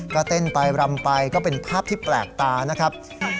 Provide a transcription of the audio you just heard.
ก็เต้นไปรำไปก็เป็นภาพที่แปลกตานะครับ